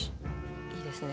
いいですね。